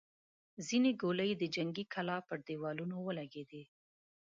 ځينې ګولۍ د جنګي کلا پر دېوالونو ولګېدې.